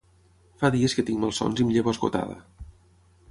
Fa dies que tinc malsons i em llevo esgotada.